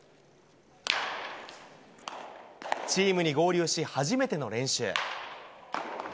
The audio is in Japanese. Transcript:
チームに合流し、初めての練習。